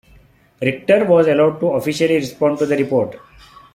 Richter was allowed to officially respond to the report.